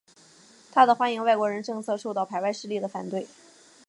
他的欢迎外国人政策受到排外势力的反对。